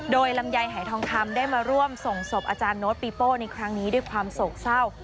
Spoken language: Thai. โดยลำไยหายทองคำได้มาร่วมส่งศพอาจารย์โน้ตปีโป้ในครั้งนี้ด้วยความโศกเศร้า